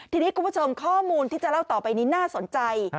ทีนี้คุณผู้ชมข้อมูลที่จะเล่าต่อไปนี้น่าสนใจ